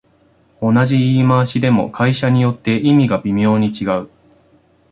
同じ言い回しでも会社によって意味が微妙に違う